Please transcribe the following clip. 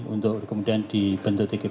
untuk kemudian dibentuk tgpf